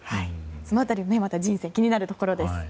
その辺りまた気になるところです。